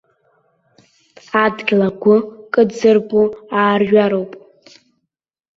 Адгьыл агәы кыдзырбо аарҩароуп.